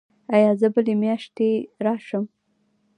ایا زه بلې میاشتې راشم؟